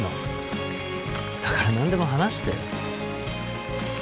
だから何でも話して。